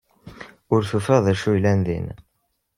Ur tufiḍ d acu yellan din.